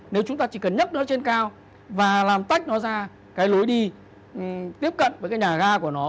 nếu chúng ta chỉ cần nhấp nó trên cao và làm tách nó ra cái lối đi tiếp cận với cái nhà ga của nó